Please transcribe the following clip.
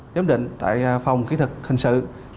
giám định tại phòng kỹ thực hình sự